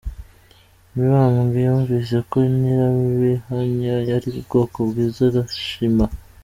Mibambwe yumvise ko Nyirabihanya ari ubwoko bwiza arishima.